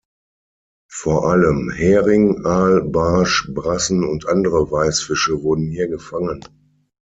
Vor allem Hering, Aal, Barsch, Brassen und andere Weißfische wurden hier gefangen.